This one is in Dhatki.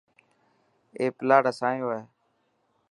اي پلاٽ اسانيو هي.